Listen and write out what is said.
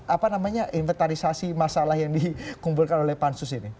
apa namanya inventarisasi masalah yang dikumpulkan oleh pansus ini